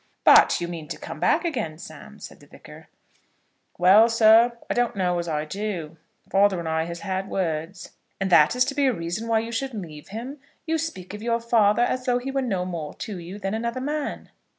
"But you mean to come back again, Sam?" said the Vicar. "Well, sir; I don't know as I do. Father and I has had words." "And that is to be a reason why you should leave him? You speak of your father as though he were no more to you than another man."